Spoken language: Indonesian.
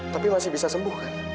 tapi masih bisa sembuh kan